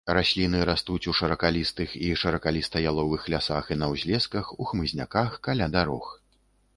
Расліны растуць у шыракалістых і шыракаліста-яловых лясах і на ўзлесках, у хмызняках, каля дарог.